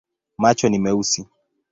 Macho ni meusi.